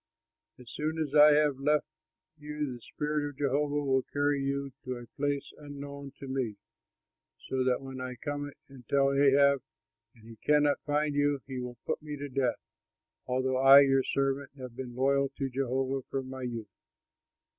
As soon as I have left you the spirit of Jehovah will carry you to a place unknown to me, so that when I come and tell Ahab and he cannot find you, he will put me to death, although I, your servant, have been loyal to Jehovah from my youth!